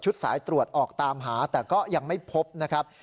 สายตรวจออกตามหาแต่ก็ยังไม่พบนะครับ